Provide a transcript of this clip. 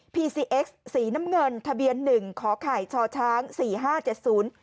ีซีเอ็กซ์สีน้ำเงินทะเบียนหนึ่งขอไข่ชอช้างสี่ห้าเจ็ดศูนย์